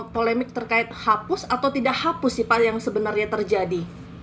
polemik terkait hapus atau tidak hapus sih pak yang sebenarnya terjadi